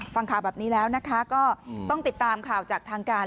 ฟังข่าวแบบนี้แล้วนะคะก็ต้องติดตามข่าวจากทางการ